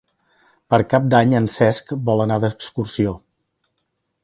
Per Cap d'Any en Cesc vol anar d'excursió.